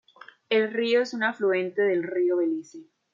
El río es un afluente del río Belice.